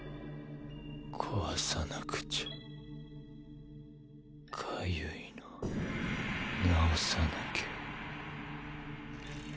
壊さなくちゃ痒いのなおさなきゃ